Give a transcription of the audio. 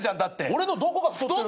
俺のどこが太ってるって。